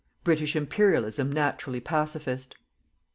BRITISH IMPERIALISM NATURALLY PACIFIST.